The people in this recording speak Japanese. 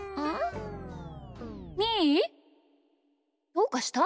どうかした？